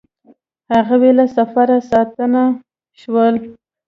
هغوی له سفره ستانه شول